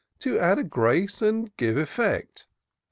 To add a grace, and give effect.